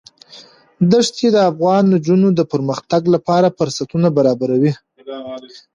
دښتې د افغان نجونو د پرمختګ لپاره فرصتونه برابروي.